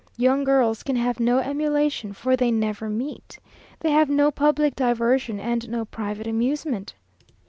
Young girls can have no emulation, for they never meet. They have no public diversion, and no private amusement.